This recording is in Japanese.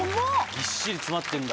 ぎっしり詰まってんだ。